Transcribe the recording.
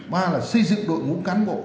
ba là xây dựng đội ngũ cán bộ